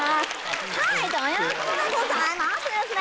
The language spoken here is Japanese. はい！ということでございましてですね